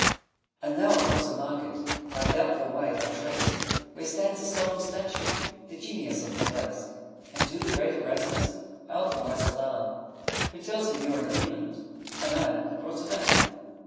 And now across a market My doubtful way I trace, Where stands a solemn statue, 35 The Genius of the place; And to the great Erasmus I offer my salaam, Who tells me you're in England, And I'm at Rotterdam.